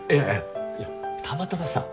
いやたまたまさ。